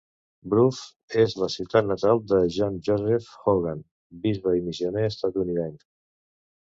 Bruff és la ciutat natal de John Joseph Hogan, bisbe i missioner estatunidenc.